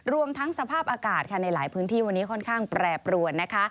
รวมทั้งสภาพอากาศค่ะในหลายพื้นที่วันนี้ค่อนข้างแปรปรวนนะคะ